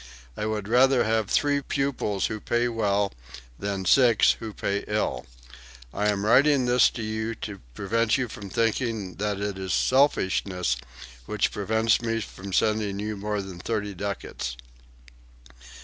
I would rather have three pupils who pay well than six who pay ill. I am writing this to you to prevent you from thinking that it is selfishness which prevents me from sending you more than thirty ducats."